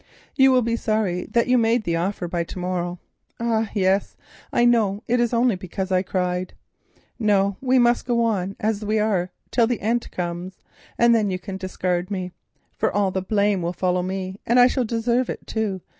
You will be sorry that you made the offer by to morrow. Ah, yes, I know it is only because I cried. No, we must go on as we are until the end comes, and then you can discard me; for all the blame will follow me, and I shall deserve it, too.